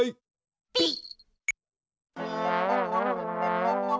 ピッ。